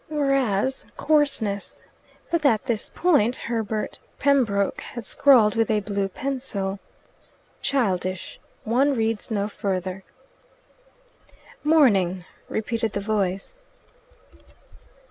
Whereas coarseness But at this point Herbert Pembroke had scrawled with a blue pencil: "Childish. One reads no further." "Morning!" repeated the voice.